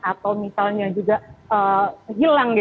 atau misalnya juga hilang